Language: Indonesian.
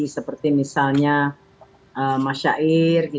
seperti misalnya mas syair